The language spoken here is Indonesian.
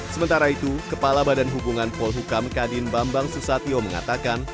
sementara itu kepala badan hubungan polhukam kadin bambang susatyo mengatakan